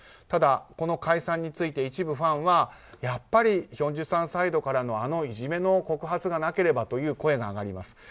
ただ、この解散について一部ファンはやっぱりヒョンジュさんサイドからのあのいじめの告白がなければという声が上がります。